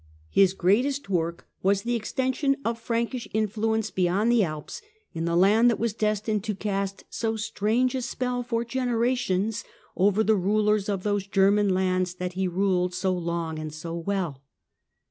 His greatest work was the extension of Frankish influence beyond the Alps, in the land that was destined to cast so strange a spell for generations over the rulers of those German lands that he ruled so long and so well.